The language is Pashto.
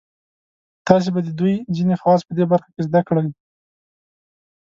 تاسې به د دوی ځینې خواص په دې برخه کې زده کړئ.